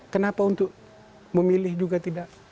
kenapa untuk memilih juga tidak